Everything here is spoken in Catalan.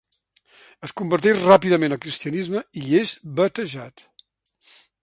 Es converteix ràpidament al cristianisme i és batejat.